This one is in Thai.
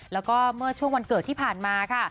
แล้วก็เมื่อช่วงวันเกิดที่ผ่านมาค่ะ